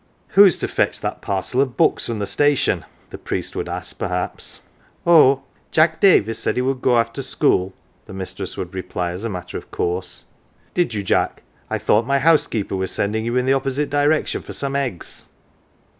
"Who is to fetch that parcel of books from the station ?" the priest would ask, perhaps. " Oh, Jack Davis said he would go after school,"" the mistress would reply as a matter of course. " Did you, Jack ? I thought ray housekeeper was sending you in the opposite direction for some eggs